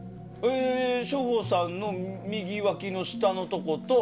省吾さんの右わきの下のところと。